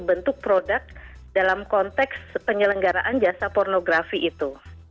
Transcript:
bentuk produk dalam konteks penyelenggaraan jasa pornografi itu